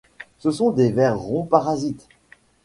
Ce sont des vers ronds parasite.